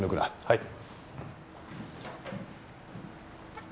はい。